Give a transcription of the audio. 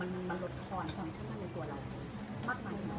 ในเรื่องบอสก็พูดเลยว่าคำว่ามันคือการที่เราดูในเรื่องของการโปรโมง